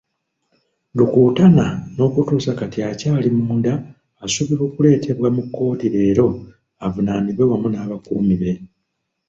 Rukutana n'okutuusa kati akyali munda asuubirwa okuleetebwa mu kkooti leero avunaanibwe wamu n'abakuumi be.